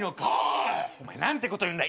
お前何てこと言うんだ。